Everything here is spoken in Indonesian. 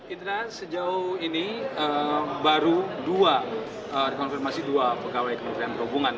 indra sejauh ini baru dua dikonfirmasi dua pegawai kementerian perhubungan